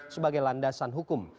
sebagai landasan hukum